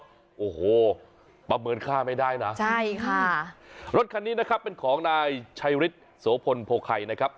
โอ้โหประเมินค่าไม่ได้นะใช่ค่ะรถคันนี้นะครับเป็นของนายชัยฤทธิ์โสพลโพไคนะครับ